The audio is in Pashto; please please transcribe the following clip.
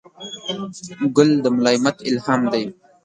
ګل د ملایمت الهام دی.